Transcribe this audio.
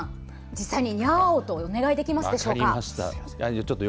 実際に、にゃーおとお願いできますでしょうか？